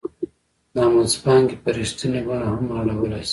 دا منځپانګې په رښتینې بڼه هم اړولای شي